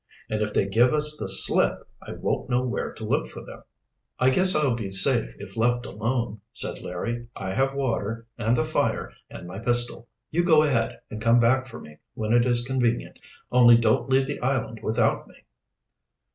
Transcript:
"And if they give us the slip I won't know where to look for them." "I guess I'll be safe if left alone," said Larry. "I have water and the fire, and my pistol. You go ahead, and come back for me when it is convenient. Only don't leave the island without me."